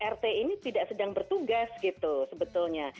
rt ini tidak sedang bertugas gitu sebetulnya